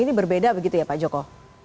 ini berbeda begitu ya pak joko